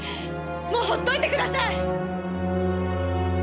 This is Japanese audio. もうほっといてください！